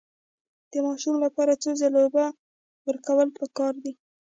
د ماشو لپاره څو ځله اوبه ورکول پکار دي؟